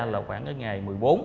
là khoảng cái ngày một mươi bốn